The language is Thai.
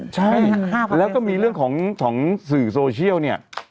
ใช่แล้วก็มีเรื่องของสื่อโซเชียลเนี่ย